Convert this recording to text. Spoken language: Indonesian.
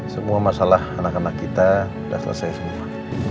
semua masalah anak anak kita sudah selesai semua